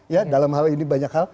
ya dalam hal ini banyak hal